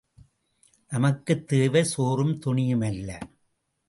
நமக்குத் தேவை சோறும் துணியும் அல்ல!